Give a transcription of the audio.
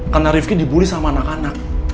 karena rifki dibully sama anak anak